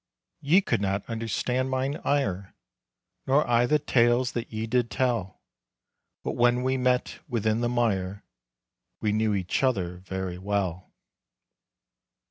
Ye could not understand mine ire Nor I the tales that ye did tell, But when we met within the mire, We knew each other very well.